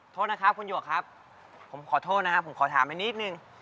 โทษนะครับคุณหยกครับผมขอโทษนะครับผมขอถามไปนิดนึง